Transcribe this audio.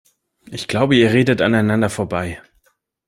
Ich glaube, ihr redet aneinander vorbei.